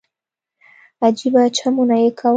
عجيبه چمونه يې کول.